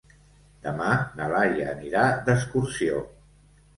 Demà na Laia anirà d'excursió.